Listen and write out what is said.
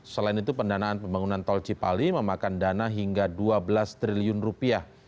selain itu pendanaan pembangunan tol cipali memakan dana hingga dua belas triliun rupiah